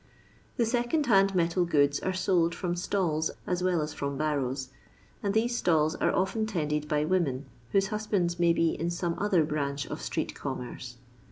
The second hand metal goods are sold from stalls as well as from barrows, and these stalls are often tended by women whose husbands may be in some other branch of street commerce.